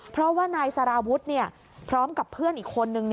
เพราะว่านายสารวุฒิพร้อมกับเพื่อนอีกคนนึง